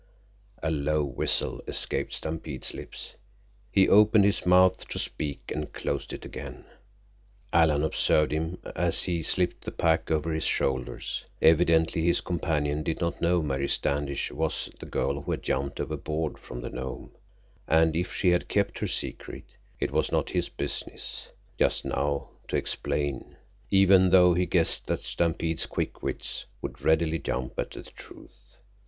A low whistle escaped Stampede's lips. He opened his mouth to speak and closed it again. Alan observed him as he slipped the pack over his shoulders. Evidently his companion did not know Mary Standish was the girl who had jumped overboard from the Nome, and if she had kept her secret, it was not his business just now to explain, even though he guessed that Stampede's quick wits would readily jump at the truth.